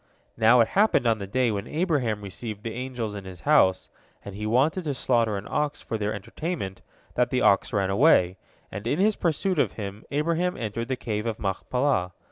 Now, it happened on the day when Abraham received the angels in his house, and he wanted to slaughter an ox for their entertainment, that the ox ran away, and in his pursuit of him Abraham entered the Cave of Machpelah.